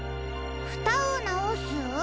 ふたをなおす？